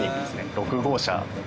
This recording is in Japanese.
６号車。